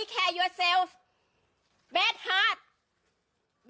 ภาษาอังกฤษบ่